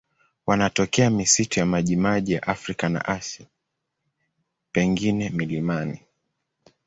Wanatokea misitu ya majimaji ya Afrika na Asia, pengine milimani.